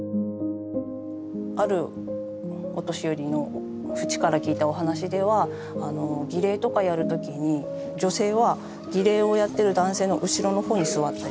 あるお年寄りのフチから聞いたお話では儀礼とかやる時に女性は儀礼をやってる男性の後ろの方に座ったりするんですよね。